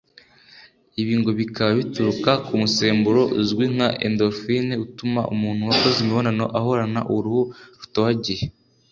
Ibi ngo bikaba bituruka ku musemburo uzwi nka Endorphine utuma umuntu wakoze imibonano ahorana uruhu rutohagiye